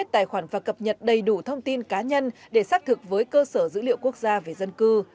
tài khoản và cập nhật đầy đủ thông tin cá nhân để xác thực với cơ sở dữ liệu quốc gia về dân cư